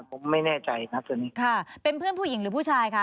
ผมไม่แน่ใจนะตัวนี้ค่ะเป็นเพื่อนผู้หญิงหรือผู้ชายค่ะ